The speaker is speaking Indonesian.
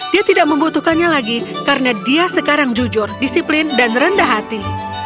dia tidak membutuhkannya lagi karena dia sekarang jujur disiplin dan rendah hati